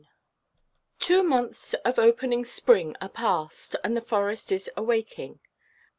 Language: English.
Two months of opening spring are past, and the forest is awaking.